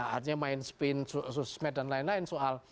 artinya main spin sosmed dan lain lain soal